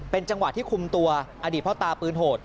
จังหวะที่คุมตัวอดีตพ่อตาปืนโหด